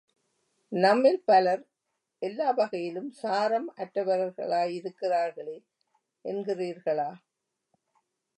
நம்மில் பலர் எல்லா வகையிலும் சாரம் அற்றவர்களாயிருக்கிறார்களே என்கிறீர்களா?